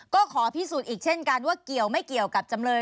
ก็ขอพิสูจน์อีกเช่นกันว่าเกี่ยวไม่เกี่ยวกับจำเลย